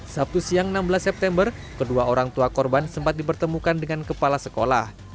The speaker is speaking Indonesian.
sabtu siang enam belas september kedua orang tua korban sempat dipertemukan dengan kepala sekolah